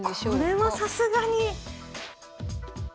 これはさすがに。